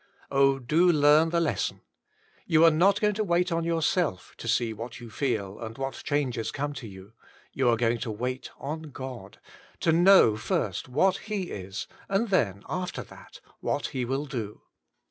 Oh, do learn the lesson. You are not going to wait on yourself to see what you feel WAITING ON GODi and what changes come to you. You are going to WAIT ON God, to know jir%t^ what He is, and then, after that, what He will do.